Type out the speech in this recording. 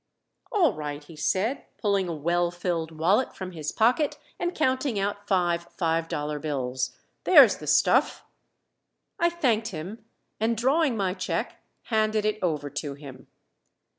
"All right," he said, pulling a well filled wallet from his pocket, and counting out five five dollar bills. "There's the stuff." I thanked him, and drawing my check handed it over to him.